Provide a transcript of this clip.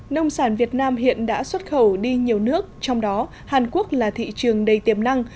nông sản việt nam hiện đã xuất khẩu đi nhiều nước trong đó hàn quốc là thị trường đầy tiềm năng